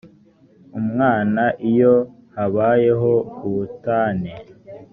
umwana iyo habayeho ubutane